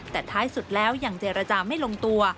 แต่ท้ายสุดแล้วยังเจรจาไม่ลงตัว